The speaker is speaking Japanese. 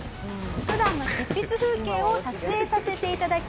普段の執筆風景を撮影させて頂きました。